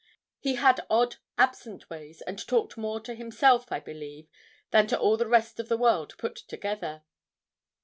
He had odd, absent ways, and talked more to himself, I believe, than to all the rest of the world put together.